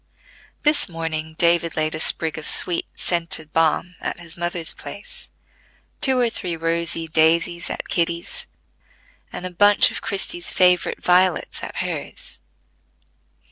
This morning David laid a sprig of sweet scented balm at his mother's place, two or three rosy daisies at Kitty's, and a bunch of Christie's favorite violets at hers.